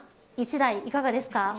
１台いかがですか。